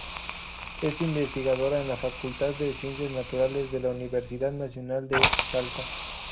Es investigadora en la "Facultad de Ciencias Naturales", de la Universidad Nacional de Salta.